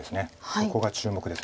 ここが注目です。